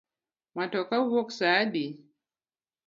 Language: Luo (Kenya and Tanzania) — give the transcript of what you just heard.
Matoka wuok sa adi?